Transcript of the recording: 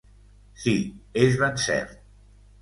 Sí; és ben cert.